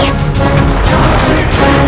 aku baru minta counter